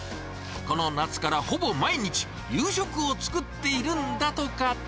この夏からほぼ毎日、夕食を作っているんだとか。